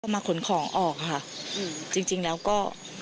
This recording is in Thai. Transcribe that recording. มาขนของออกค่ะจริงแล้วก็